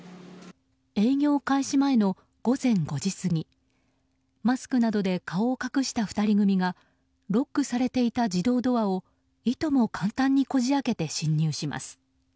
営業開始前の午前５時過ぎマスクなどで顔を隠した２人組がロックされていた自動ドアをいとも簡単にこじ開けて侵入します。